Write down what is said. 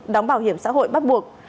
đóng bảo hiểm xã hội bắt buộc